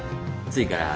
次からは。